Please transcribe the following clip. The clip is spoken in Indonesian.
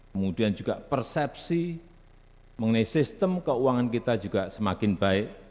kemudian juga persepsi mengenai sistem keuangan kita juga semakin baik